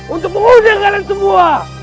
untuk menghuni kalian semua